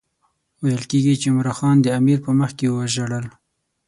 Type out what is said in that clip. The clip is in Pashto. ویل کېږي چې عمرا خان د امیر په مخکې وژړل.